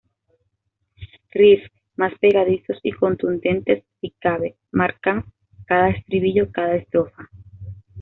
Riffs más pegadizos y contundentes si cabe, marcan cada estribillo, cada estrofa.